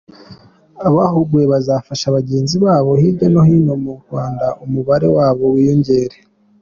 Abahuguwe bazafasha bagenzi babo hirya no hino mu Rwanda, umubare wabo wiyongere.